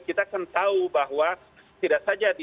kita kan tahu bahwa tidak saja di